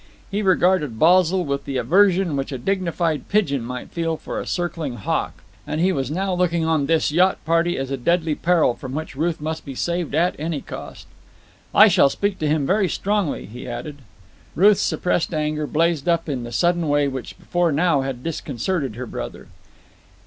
He regarded Basil with the aversion which a dignified pigeon might feel for a circling hawk; and he was now looking on this yacht party as a deadly peril from which Ruth must be saved at any cost. "I shall speak to him very strongly," he added. Ruth's suppressed anger blazed up in the sudden way which before now had disconcerted her brother.